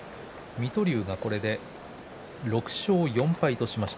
水戸龍、これで６勝４敗としました。